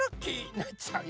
なっちゃうよ